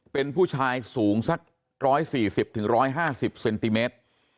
เป็นผู้ชายสูงสัก๑๔๐๑๕๐เซนติเมตร